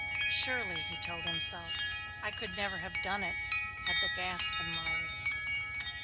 "Surely," he told himself, "I could never have done it had the gas been lighted."